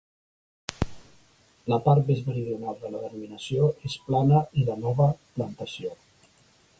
La part més meridional de la denominació és plana i de nova plantació.